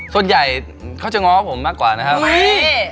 ส่วนใหญ่เขาจะง้อผมมากกว่านะครับนี่